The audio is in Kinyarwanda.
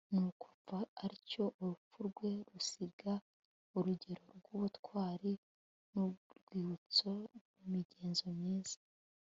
nuko apfa atyo, urupfu rwe rusiga urugero rw'ubutwari n'urwibutso rw'imigenzo myiza